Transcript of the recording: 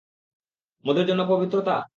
মদের জন্য পবিত্রতা?